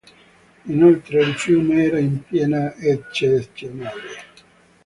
Inoltre, il fiume era in piena eccezionale.